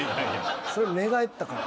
それ寝返ったから。